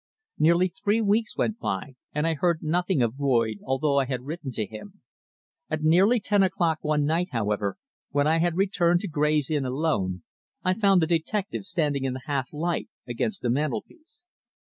Nearly three weeks went by and I heard nothing of Boyd, although I had written to him. At nearly ten o'clock one night, however, when I had returned to Grey's Inn alone, I found the detective standing in the half light against the mantelpiece.